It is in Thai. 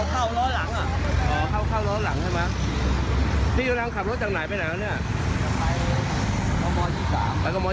แต่รถมอเตอร์ไซด์นี่คือว่าเขาพลิกแม่มเข้ามาหาเราหรือว่ากัน